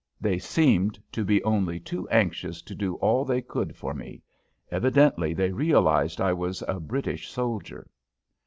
They seemed to be only too anxious to do all they could for me; evidently they realized I was a British soldier.